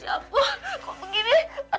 ya ampun kok begini